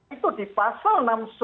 itu di pasal enam puluh sembilan